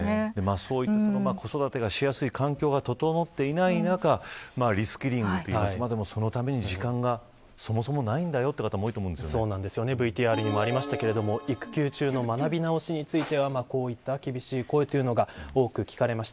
そういった子育てがしやすい環境が整っていない中リスキリングというそのための時間がそもそもないんだよという方もＶＴＲにもありましたけど育休中の学び直しについてはこういった厳しい声が多く聞かれました。